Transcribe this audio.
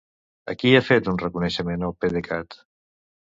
A qui ha fet un reconeixement el PDECat?